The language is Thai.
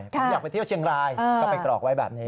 ผมอยากไปเที่ยวเชียงรายก็ไปกรอกไว้แบบนี้